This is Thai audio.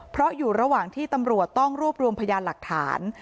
เพราะอยู่ระหว่างที่ตำรวจต้องรวบรวมพยานหลักฐาน